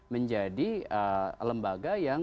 menjadi lembaga yang